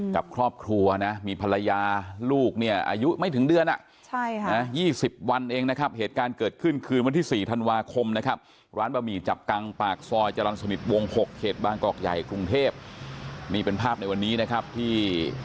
กับครอบครัวนะมีภรรยาลูกเนี่ยอายุไม่ถึงเดือน๒๐วันเองนะครับเหตุการณ์เกิดขึ้นคืนวันที่๔ธันวาคมนะครับร้านบะหมี่จับกังปากซอยจรรย์สนิทวง๖เขตบางกอกใหญ่กรุงเทพนี่เป็นภาพในวันนี้นะครับที่